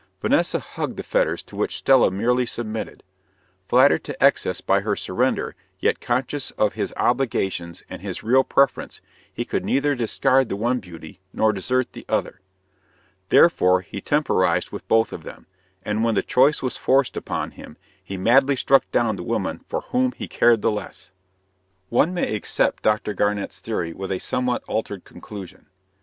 Vanessa hugged the fetters to which Stella merely submitted. Flattered to excess by her surrender, yet conscious of his obligations and his real preference, he could neither discard the one beauty nor desert the other. Therefore, he temporized with both of them, and when the choice was forced upon him he madly struck down the woman for whom he cared the less. One may accept Dr. Garnett's theory with a somewhat altered conclusion.